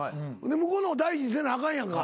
向こうの方を大事にせなあかんやんか。